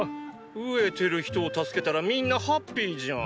飢えてる人を助けたらみんなハッピーじゃん。